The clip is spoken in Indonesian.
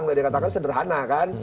nggak dikatakan sederhana kan